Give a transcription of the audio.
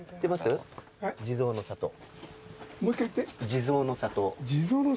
地蔵の郷？